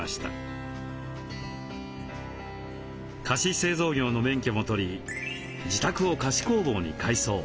菓子製造業の免許も取り自宅を菓子工房に改装。